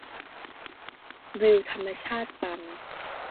วิวธรรมชาติปัง